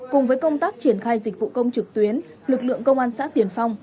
cùng với công tác triển khai dịch vụ công trực tuyến lực lượng công an xã tiền phong